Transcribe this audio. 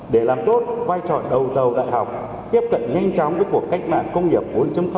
để làm tốt vai trò đầu tàu đại học tiếp cận nhanh chóng với cuộc cách mạng công nghiệp bốn